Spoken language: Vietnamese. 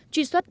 được nguồn gốc